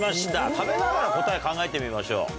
食べながら答え考えてみましょう。